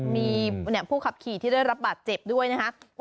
มีผู้ขับขี่ที่ได้รับบาดเจ็บด้วยนะคะ